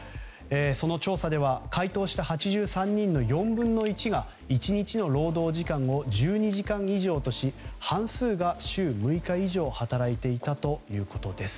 その調査では回答した８３人の４分の１が１日の労働時間を１２時間以上とし半数が週６日以上働いていたということです。